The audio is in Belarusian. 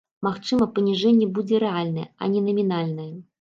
Магчыма, паніжэнне будзе рэальнае, а не намінальнае.